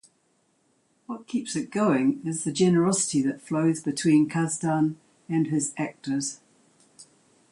What keeps it going is the generosity that flows between Kasdan and his actors.